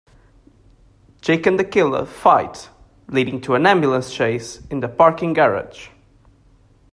Jake and the killer fight, leading to an ambulance chase in the parking garage.